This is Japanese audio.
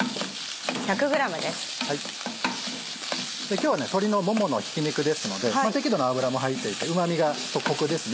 今日は鶏のもものひき肉ですので適度な脂も入っていてうまみとコクですね。